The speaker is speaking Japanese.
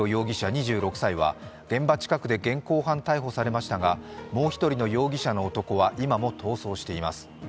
２６歳は現場近くで現行犯逮捕されましたがもう１人の容疑者の男は今も逃走しています。